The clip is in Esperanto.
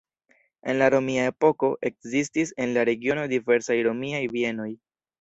En la romia epoko ekzistis en la regiono diversaj romiaj bienoj.